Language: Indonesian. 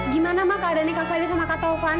gimana ma keadaan nikah fadil sama kata tovan